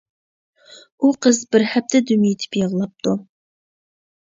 ئۇ قىز بىر ھەپتە دۈم يېتىپ يىغلاپتۇ.